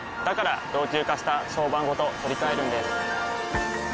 から老朽化した床版ごと取り替えるんです。